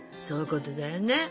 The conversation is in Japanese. そういうことだよね